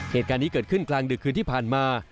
เหตุการณ์นี้เกิดขึ้นกลางดึกคืนที่ผ่านมา